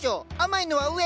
甘いのは上！